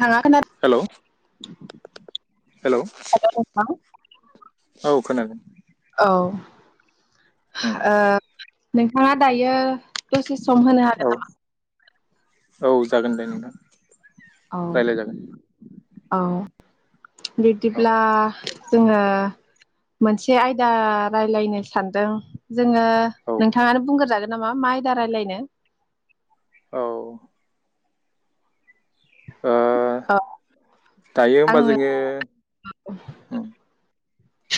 थाङा खोनादों हेल' हेल नोंथां औ खोनादों औ उम ओ नोंथाङा दायो दसे सम होनो औ हागोन नामा औ जागोन दे नोंथां औ रायलायजागोन औ [unintelligible] औ बिदिब्ला जोङो मोनसे आयदा रायलायनो सानदों जोङो औ नोंथाङानो बुंग्रोजागोन नामा मा आयदा रायलायनो। औ आ दायो होमबा जोङो होम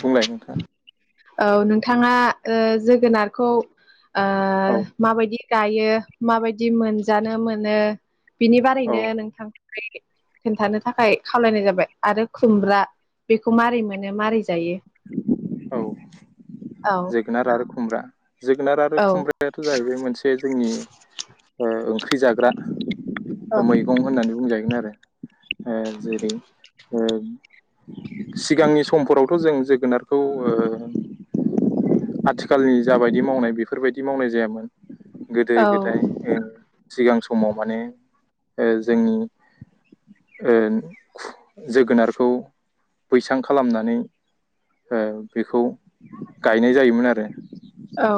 बुंलाय नोंथां औ नोंथाङा ओ जोगोनारखौ ओ औ माबायदि गायो माबायदि मोनजानो मोनो बिनि औ बारैनो नोंथां खोन्थानो थाखाय खावलायनाय जाबाय आरो खुमब्रा बेखौ माबारै मोनो माबारै जायो [unintelligible] औ औ जोगोनार आरो खुमब्रा जोगोनार नार आरो औ खुमब्रायाथ' जाहैबाय मोनसे जोंनि ओ ओंख्रि जाग्रा औ मैगं होननानै बुंजाहगोन आरो ओ जेरै ओ सिगांनि समफोरावथ' जों जोगोनारखौ ओ आथिखालनि जाबायदि मावनाय बेफोरबायदि मावनाय जायामोन गोदो औ गोदाय ओं सिगां समाव माने ओ जोंनि ओ जोगोनारखौ बैसां खालामनानै ओ बेखौ गायनाय जायोमोन आरो औ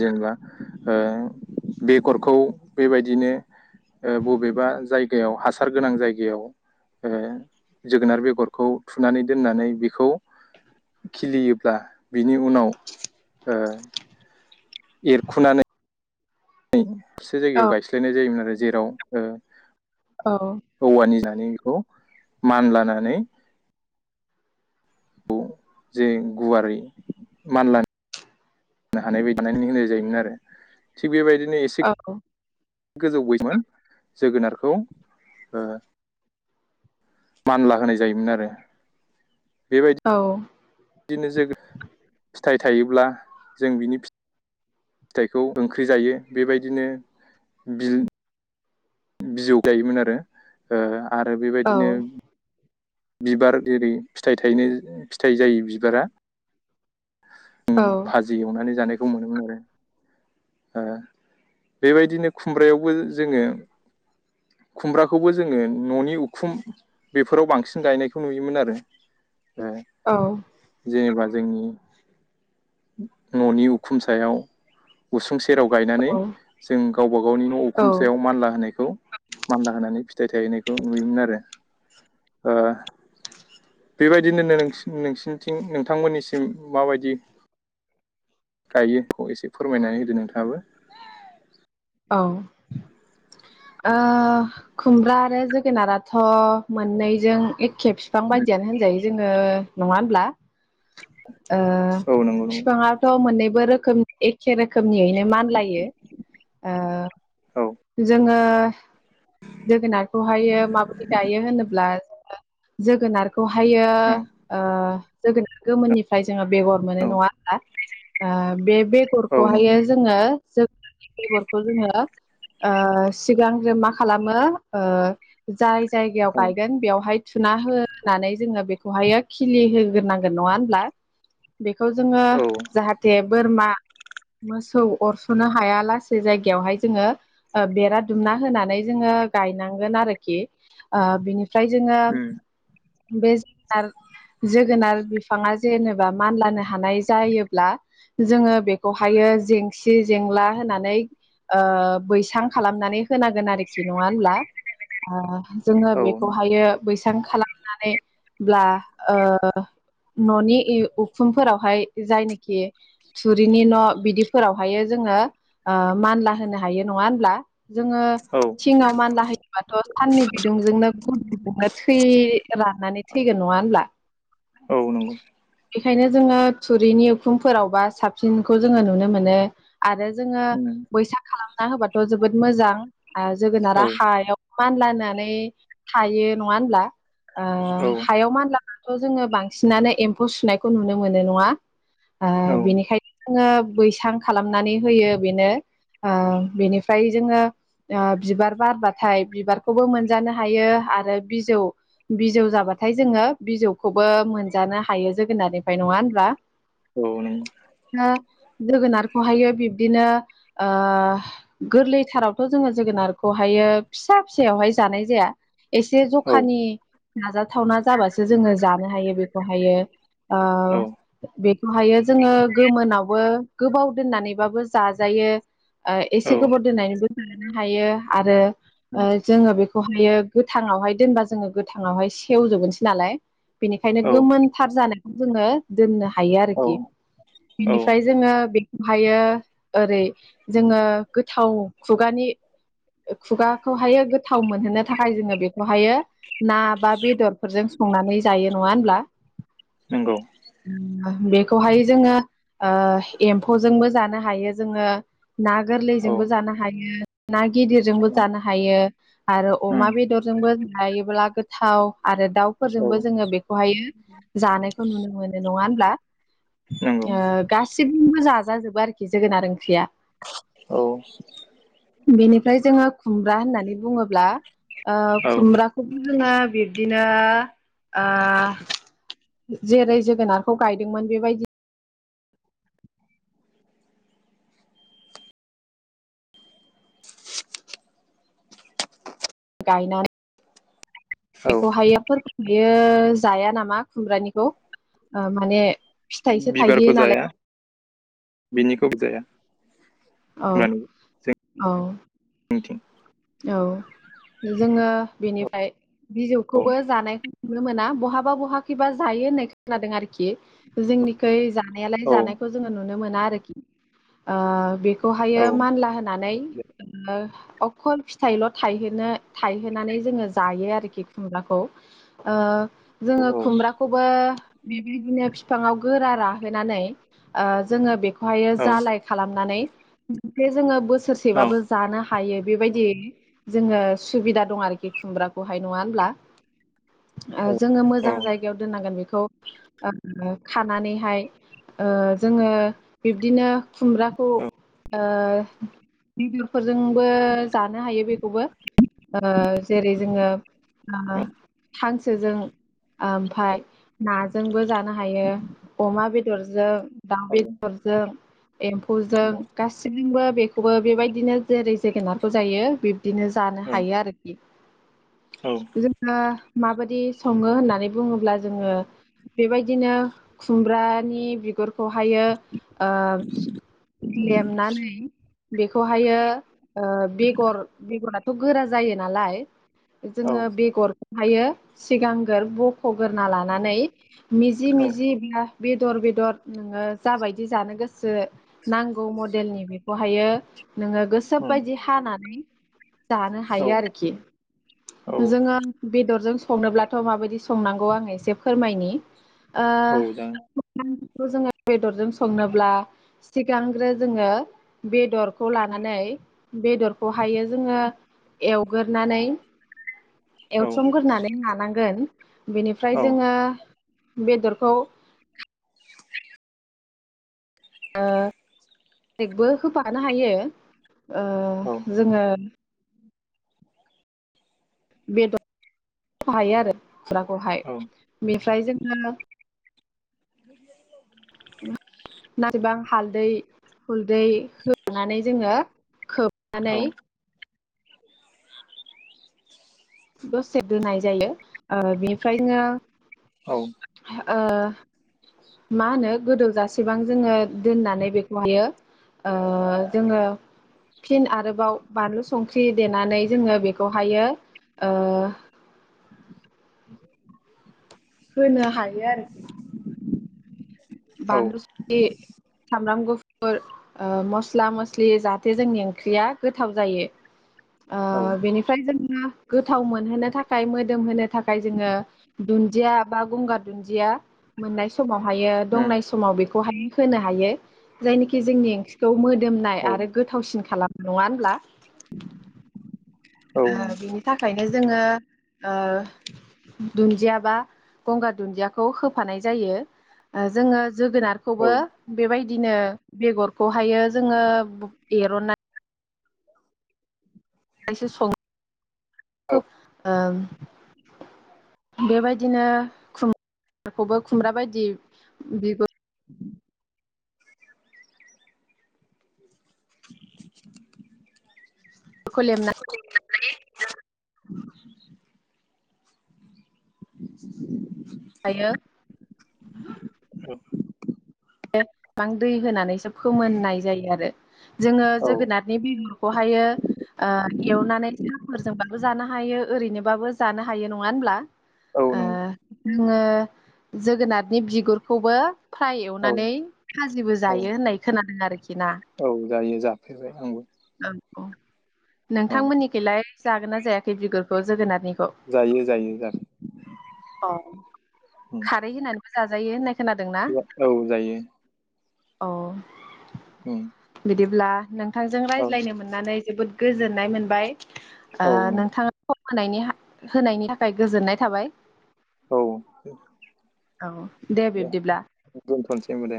जेनेबा ओ बेगरखौ बेबायदिनो ओ बबेबा जाय जायगायाव हासार गोनां जायगायाव ओ जोगोनार बेगरखौ थुनानै दोननानै बेखौ खिलियोब्ला बिनि उनाव ओ एरखुनानै नै दाबसे औ जायगायाव गायस्लायनाय जायोमोन आरो । जेराव ओ औ औ औवानि जानि खौ मानलानानै खौ जे गुवारै मानलानि [unintelligible] होननाय जायोमोन आरो थिग बेबायदिनो एसे औ गोजौ [unintelligible] जोगोनारखौ मानला होनाय जायोमोन आरो बेबायदि औ बिदिनो जो फिथाइ थायोब्ला जों बिनि फिथाइखौ ओंख्रि जायो बेबायदिनो बिल बिजौ गायोमोन आरो ओ आरो बेबायदिनो बिबार जेरै फिथाइ थायनो फिथाइ जायो बिबारा उम औ भाजि एवनानै जानो दं मोनोमोन आरो ओ बेबायदिनो खुमब्रायावबो जोङो खुमब्राखौबो जोङो न'नि उखुम बेफोराव बांसिन गायनायखौ नुयोमोन आरो ओ जेनेबा जोंनि न'नि उखुम सायाव उसुंसे सेराव गायनानै जों गावबा गावनि न' उखुमसायाव मानला होनायखौ मानला होनानै फि फिथाइ थायहोनायखौ नुयोमोन आरो ओ बेबायदिनो नोंसिनि नोंसिनिथिं नोंथांमोननिसिम माबायदि गायोखौ एसे फोरमायनानै होदो नोंथाङाबो औ ओ खुमब्रा आरो जोगोनाराथ' मोननैजों एक खेब बिफां बायदियानो होनजायो जोङो नङा होनब्ला ओ औ नंगौ नंगौ फिफांआथ' मोननैबो रोखोम [unintelligible] एक एखे रोखोमनियैनो मानलायो औ आङ जोगोनारखौ हायो माबोरै गायो होनोब्ला जोगोनार खौहायो ओ जोगोनार गोमोननिफ्राय जोंङो बेगर मोनो नङा होनबा ओ बे औ ओं औ बेगरखौहायो नंगौ जोङो जोग बेगरखौ जोङो ओ सिगां जों मा खालामो ओ जाय जायगायाव औ गायगोन बेवहाय थुना होनानै जोङो बेखौहायो खिलि होग्रोनांगोन नङा होनब्ला बेखौ जोङो जाहाथे बोरमा मोसौ अरस'नो हायालासे से जायगायावहाय जोङो बेरा दुमना होनानै जोङो गायनांगोन आरोखि ओ बिनि ओमफ्राय जोङो उम बे जोगोनार जोगोनार बिफाङा जेनेबा मानलानो हानाय जायोब्ला जोङो बेखौहायो जेंसि जेंला होननानै ओ बैसां खालामनानै होनांगोन आरोखि नङा होनब्ला आ जोङो औ बेखौहायो बैस बखालामनानैब्ला न'नि उखुमफोरावहाय जायनोखि थुरिनि न' बिदिफोरावहाय जोङो ओ मानला होनो हायो नङा होनब्ला जोङो थिङाव मानला होयोबाथ' सानननि बिदुंजोंनो गदुंजोंनो थै राननानै थैगोन नङा होनब्ला औ बेखायनो जोङो थुरिनि उखुमफोरावबा साबसिनखौ जोङो नुनो मोनो आरो जों बैसां खालामना होबाथ' जोबोद मोजां जोगोनारा नंगौ हायाव मानलानानै थायो नङा होनब्ला ओ हायाव मानलाबथ' जोङो बांसिनानो खौ सुनायखौ नुनो मोनो नङा ओ बिनिखायनो जोङो बैसां खालामनानै होयो बेनो ओ बेनिफ्राय जोङो ओ बिबार बारबाथाय बिबारखौबो मोनजानो हायो आरो बिजौ बिजौ जाबाथाय जोङो बिजौखौबो मोनजानो हायो जोगोनारनिफ्राय नङा होनब्ला औ नोगौ जोगोनारखौहायो बिब्दिनो ओ गोरलैथारावथ' जोङो जोगोनारखौहायो फिसा फिसायावहाय जानाय जाया एसे उम औ जखानि नाजाथावना जाबासो जोङो जानो हायो बेखौहायो आ बे हायो जोङो गोमोनावबो गोबाव दोननानैबाबो जाजायो ओ औ एसे दोननानैबो जानो हायो आरो नंगौ औ औ जोङो बेखौहायो गोथाङावहाय दोनबा जोङो गोथाङावहाय सेवजोबगोनसो नालाय बेनिखायनो गोमोनथार जानो जोङो दोननो हायो औ आरोखि। बेनिफ्राय जोङो ओमफायो ओरै जोङो गोथाव खुगानि खुगाखौहायो गोथाव मोनहोनो थाखाय जोङो बेखौहायो ना बा बेदरफोरजों संनानै जायो नङा होनब्ला? नंगौ [unintelligible] बेखौहाय जोङो ओ एम्फौजोंबो जानो हायो। जोङो ना औ गोरलैजोंबो जानो हायो। ना गिदिरजोंबो जानो हायो आरो उम अमा बेदरजोंबो जायोब्ला गोथाव आरो औ दाउफोरजोंबो जोङो बेखौहायो जानायखौ नुनो मोनो नङा होनब्ला? नंगौ ब्ला ओ गासैजोंबो जा जा जोबो आरोखि जोगोनार ओंख्रिया। औ। बेनिफ्राय जोङो खुमब्रा होननानै बुङोब्ला ओ औ खुमब्राखौ जोङो बिब्दिनो ओ जेरै जोगोनारखौ गायदोंमोन बेबायदि गायना औ बेखौ हायो। फोरखौ बेयो जाया नामा खुमब्रानिखौ ओ माने फिथाइसो थायहैयो नालाय बिनिखौबो जाया। औ खुमानु जाया औ। जोंनिथिं औ। जोङो औ बेनिफ्राय बिजौखौबो जानायखौ नुनो मोना। बहाबा बहाखिबा जायो होननाय खोनादों आरोखि। जोंनिखै जानायालाय औ जानायखौ जोङो नुनो मोना। खि। ओ बेखौ औ बेखौहायो मानला होनानै ओ अकल फिथाइल' थायहोनो थायहोनानै जोङो जायो आरोखि खुम्राखौ। ओ जोङो औ खुमब्राखौबो बेबायदिनो बिफांआव गोरा राहोनानै ओ जोङो बेखौ खौहायो औ जालाय खालामनानै जे जोङो बोसोर औ बोसोरसेबाबो जानो हायो बेबायदि जोङो सुबिदा दं आरोखि खुमब्राखौहाय नङा होमब्ला। ओ जोङो औ औ मोजां जायगायाव दोननांगोन बेखौ खौ ओ खानानैहाय ओ जोङो बिब्दिनो खुमब्राखौ ओ बेदरफोरजोंबो जानो हायो बेखौबो ओ जेरै जोङो ओ हांसोजों ओमफाय नाजोंबो जानो हायो अमा बे दरजों दाव बेदरजों एम्फौजों गासिबजोंबो बेखौबो बेबायदिनो जेरै जोगोनारखौ जायो बि दिनो जानो औ हायो आरोखि । जोङो माबायदि सङो होननानै बुङोब्ला जोङो बेबायदिनो खुमब्रानि बिगुर खौहायो ओ लेमनानै बेखौहायो ओ बेगर बेगरा थ' गोरा जायो नालाय जोङो बेगरखौहायो सिगांगोर ब खगोरना लानानै मिजि मिजि बियो बेदर बेदर नोङो जाबायदि जानो गोसो ना औ मडेलनि बे खौहायो नोङो गोसो बायदि हानानै जानो हायो आरोखि जोङो बेदरजों संनोब्लाथ' माबायदि संनांगौ आङो एसे फोरमायनि ओ जागोन [unintelligible] [unintelligible] जोङो बेदरजों संनोब्ला सिगां ग्रो जोङो बेदरखौ लानानै बेदरखौ हायो जोङो एवग्रोनानै औ एवथ्रोमगोरनानै लानांगोन बेनिफ्राय औ जोङो बेदरखौ ओ नेकबो होफानो हायो। ओ औ जोङो बेद [inaudible] हायो आरो फोराखौहाय औ ओमफ्राय जोंङो नाथायबा हालदै-हुलदै होनानै जोङो खोब - नानै दसे दोनाय जायो ओ बेनिफ्रायनो औ ओ मा होनो गोदौजासेबां जोङो दोननानै बेखौहायो ओ जोङो फिन आरोबाव बानलु संख्रि देनानै जोङो बेखौहायो ओ होनो हायो आरोखि। उम बानलु [inaudible] साम्राम गुफ - फोर ओ मस्ला-मस्लि जाहाथे जोंनि ओंख्रिया गोथाव जायो। ओ बेनिफ्राय जों गोथाव मोनहोनो थाखाय मोदोम होनो थाखाय जोङो दुन्दिया बा गंगार दुन्दिया मोननाय समाव हायो दंनाय समाव बेखौ [inaudible] होनो हायो जायनि जोंनि ओंख्रिखौ मोद - दोमनाय आरो गोथावसिन खालामो। नङा होनब्ला? ओ बिनि थाखाय - नो जोङो ओ दुन्दिया बा गंगार दुन्दियाखौ होफानाय जायो । जोङो औ जोगोनारखौबो बेबाय - दिनो बेगरखौहायो जोङो एरननानै - [inaudible] सो सङो । औ खुब ओम बेबायदिनो खुम - बेखौबो खुमब्रा बादि बिगु खौ लेमना [unintelligible] [inaudible] [unintelligible] यो, बां दै होनानैसो फोमोननाय जायो आरो। जोङो औ जोगोनादनि बेगरखौहायो एवनानै फोरजोंबाबो जानो हायो, ओरैनोबाबो जानो हायो, नङा होनब्ला? औ आ नंगौ [unintelligible] जोगोनादनि बिगुरखौबो फ्राय औ नानै फाजिबो औ जायो होननाय खोनादों आरो औ जायो, जाफेरबाय आंबो। [inaudible] औ नोंथांमोननिखैलाय जागोन ना जायाखै बिगुरखौ जोगोनादनि जायो जायो जाखां। अ [inaudible] उम। खारै होनानैबो जाजायो होननाय खोनादों औ जायो। अह। [inaudible] दिब्ला नों थांजों औ रायज्लायनो मोननानै जोबोद गोजोननाय मोनबाय। ओ औ नंगौ। नोंथाङा [unintelligible] होनायनि हा होनायनि थाखाय गोजोननाय थाबाय। औ औ दे बिब्दिब्ला। दोनथ'नोसै होनबा दे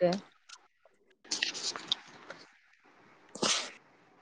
दे। [inaudible]